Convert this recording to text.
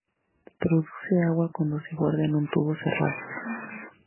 Produce agua cuando se guarda en un tubo cerrado.